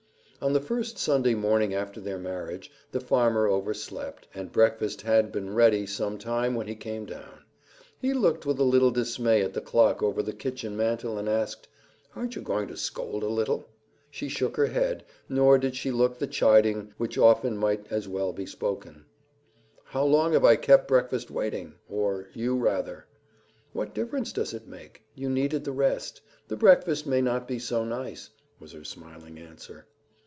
On the first Sunday morning after their marriage the farmer overslept, and breakfast had been ready some time when he came down. He looked with a little dismay at the clock over the kitchen mantel and asked, "Aren't you going to scold a little?" She shook her head, nor did she look the chiding which often might as well be spoken. "How long have I kept breakfast waiting, or you rather?" "What difference does it make? You needed the rest. The breakfast may not be so nice," was her smiling answer.